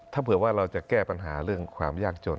ถ้าเผื่อว่าเราจะแก้ปัญหาเรื่องความยากจน